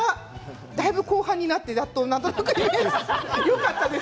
だいぶ後半になってやっとよかったです。